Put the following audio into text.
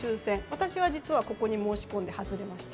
私は、実はこれに申し込んで外れました。